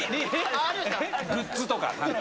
グッズとか何か。